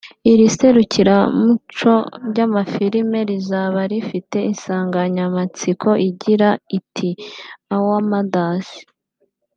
Iri serukiramuco ry’amafilimi rizaba rifite insanganyamatsiko igiri iti “ Our Mothers